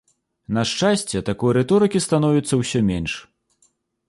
На шчасце, такой рыторыкі становіцца ўсё менш.